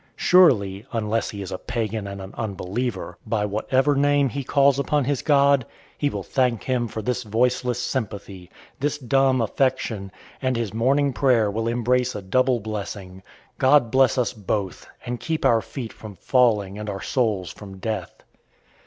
Surely, unless he is a pagan and an unbeliever, by whatever name he calls upon his God, he will thank Him for this voiceless sympathy, this dumb affection, and his morning prayer will embrace a double blessing God bless us both, and keep our feet from falling and our souls from death!